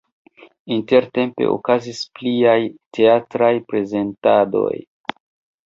Intertempe okazis pliaj teatraj prezentadoj.